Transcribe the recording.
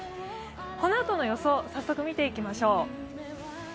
このあとの予想、早速見ていきましょう。